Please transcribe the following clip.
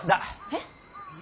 えっ。